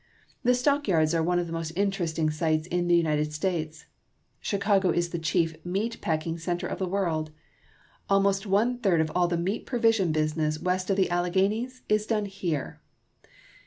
The stock yards are one of the most interesting sights in the United States. Chicago is the chief meat packing center of the world. Almost one third of all the meat provision business west of the Alleghanies is done here.